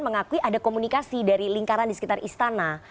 mengakui ada komunikasi dari lingkaran di sekitar istana